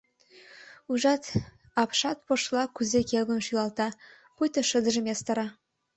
Ужат, апшатпошла кузе келгын шӱлалта, пуйто шыдыжым ястара.